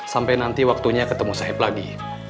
sampai nanti waktunya ketemu saib lagi